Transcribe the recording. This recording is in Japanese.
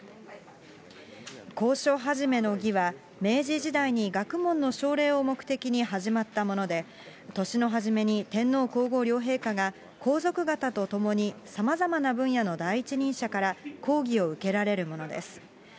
講書始の儀は、明治時代に学問の奨励を目的に始まったもので、年の初めに天皇皇后両陛下が、皇族方とともにさまざまな分野の第一人者から講義を受けられるものです。